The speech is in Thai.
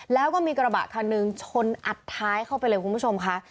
แล้วก็มีกระบะคันหนึ่งชนอัดท้ายเข้าไปเลยคุณผู้ชมค่ะ